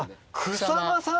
草間さん？